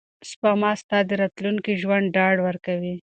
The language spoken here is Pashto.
سپما ستا د راتلونکي ژوند ډاډ ورکوي.